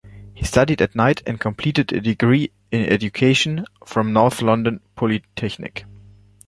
He studied at night and completed a degree in education from North London Polytechnic.